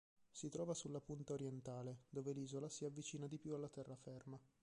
Si trova sulla punta orientale, dove l'isola si avvicina di più alla terraferma.